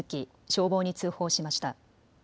消防に通報しました。